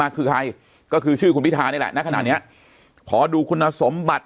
คือใครก็คือชื่อคุณพิธานี่แหละนะขนาดเนี้ยขอดูคุณสมบัติ